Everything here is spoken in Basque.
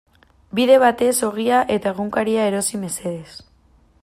Bide batez ogia eta egunkaria erosi mesedez.